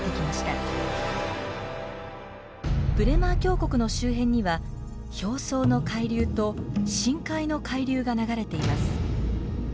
ブレマー峡谷の周辺には表層の海流と深海の海流が流れています。